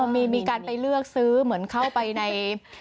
มีการไปเลือกซื้อเหมือนเข้าไปใน